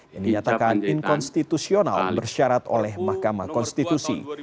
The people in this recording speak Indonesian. yang dinyatakan inkonstitusional bersyarat oleh mahkamah konstitusi